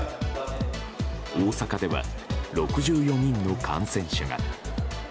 大阪では、６４人の感染者が。